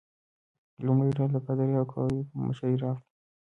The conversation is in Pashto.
لومړۍ ډله د پادري اکواویوا په مشرۍ راغله.